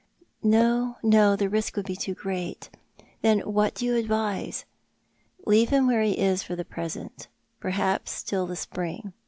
" No, no ; the risk would be too great. Then what do you advise?" " Leave him where he is for the present ; perhaps till the spring.